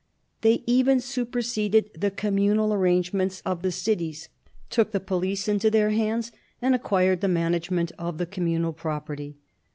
They even superseded the communal arrangements of the cities, took the police into their hands, and acquired the management of the communal property.